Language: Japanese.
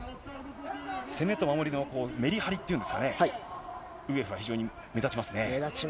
攻めと守りのメリハリっていうんですかね、ウグエフは非常に目立目立ちますね。